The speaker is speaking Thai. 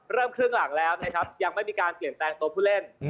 ครึ่งหลังแล้วนะครับยังไม่มีการเปลี่ยนแปลงตัวผู้เล่น